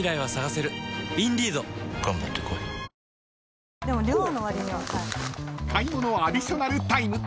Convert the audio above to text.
ニトリ［買い物アディショナルタイム］